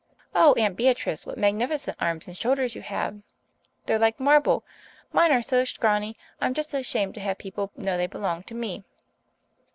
Oh, Aunt Beatrice! What magnificent arms and shoulders you have! They're like marble. Mine are so scrawny I'm just ashamed to have people know they belong to me."